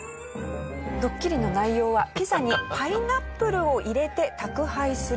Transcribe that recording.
ドッキリの内容はピザにパイナップルを入れて宅配する事。